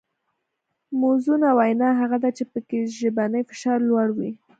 موزونه وینا هغه ده چې پکې ژبنی فشار لوړ وي